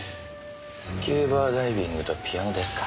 スキューバダイビングとピアノですか。